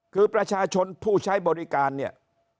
คือประชาชนผู้ใช้บริการเนี่ย